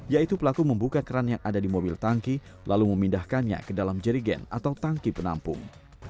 yaitu pelaku membuka keran yang ada di mobil tangki lalu memindahkannya ke dalam jerigen atau tangki penampung